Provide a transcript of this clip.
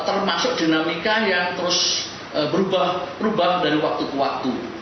termasuk dinamika yang terus berubah dari waktu ke waktu